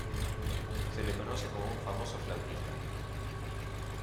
Se le conoce como un famoso flautista.